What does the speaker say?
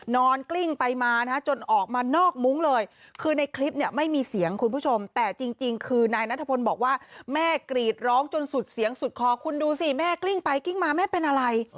กลิ้งไปมานะฮะจนออกมานอกมุ้งเลยคือในคลิปเนี่ยไม่มีเสียงคุณผู้ชมแต่จริงคือนายนัทพลบอกว่าแม่กรีดร้องจนสุดเสียงสุดคอคุณดูสิแม่กลิ้งไปกลิ้งมาแม่เป็นอะไร